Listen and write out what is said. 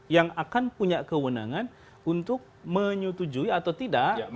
yang akan punya kewenangan untuk menyetujui atau mencari kesempatan yang bisa diperoleh